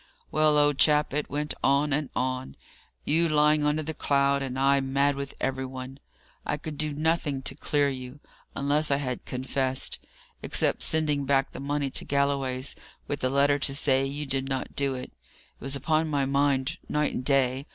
"Well, old chap, it went on and on you lying under the cloud, and I mad with every one. I could do nothing to clear you (unless I had confessed), except sending back the money to Galloway's, with a letter to say you did not do it. It was upon my mind night and day.